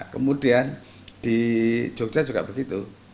kemudian di jogja juga begitu